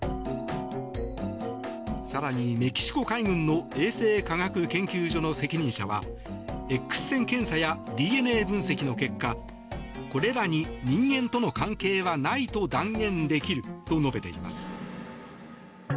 更に、メキシコ海軍の衛生科学研究所の責任者はＸ線検査やＤＮＡ分析の結果これらに人間との関係はないと断言できると述べています。